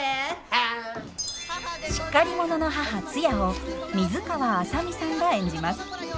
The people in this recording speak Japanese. しっかり者の母ツヤを水川あさみさんが演じます。